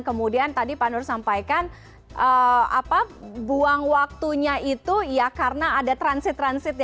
kemudian tadi panur sampaikan buang waktunya itu karena ada transit transit